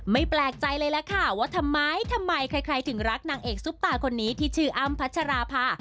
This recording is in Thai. แปลกใจเลยล่ะค่ะว่าทำไมทำไมใครถึงรักนางเอกซุปตาคนนี้ที่ชื่ออ้ำพัชราภา